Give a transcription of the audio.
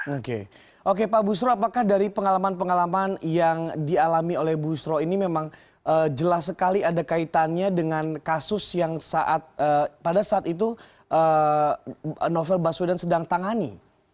oke oke pak busro apakah dari pengalaman pengalaman yang dialami oleh busro ini memang jelas sekali ada kaitannya dengan kasus yang pada saat itu novel baswedan sedang tangani